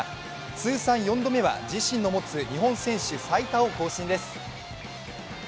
通算４度目は自身が持つ日本選手最多を更新です。